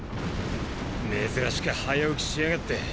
珍しく早起きしやがって。